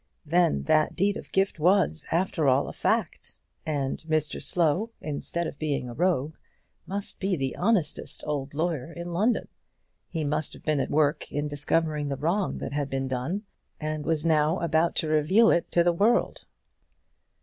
Then that deed of gift was, after all, a fact; and Mr Slow, instead of being a rogue, must be the honestest old lawyer in London! He must have been at work in discovering the wrong that had been done, and was now about to reveal it to the world.